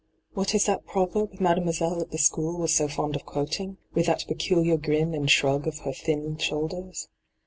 What is that proverb Made moiselle at the school was so fond of quoting, with that peculiar gnn and shrug of her thin shoulders